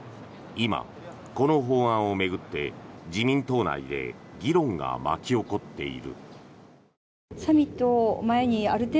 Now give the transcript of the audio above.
今、この法案を巡って自民党内で議論が巻き起こっている。